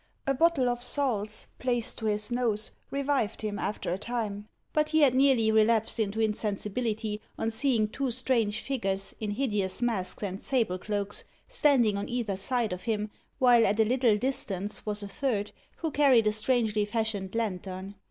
A bottle of salts, placed to his nose, revived him after a time; but he had nearly relapsed into insensibility on seeing two strange figures, in hideous masks and sable cloaks, standing on either side of him, while at a little distance was a third, who carried a strangely fashioned lantern.